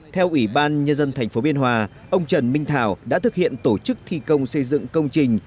theo ủy ban nhân dân tp biên hòa ông trần minh thảo đã thực hiện tổ chức thi công xây dựng công trình